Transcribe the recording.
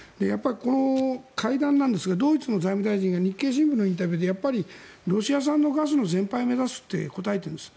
この会談なんですがドイツの財務大臣が日経新聞のインタビューでやっぱりロシア産のガスの全廃を目指すと答えているんです。